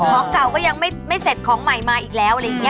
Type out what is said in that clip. ของเก่าก็ยังไม่เสร็จของใหม่มาอีกแล้วอะไรอย่างนี้